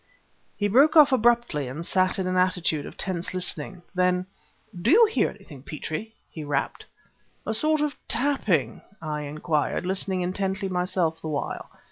He broke off abruptly and sat in an attitude of tense listening. Then "Do you hear anything, Petrie?" he rapped. "A sort of tapping?" I inquired, listening intently myself the while.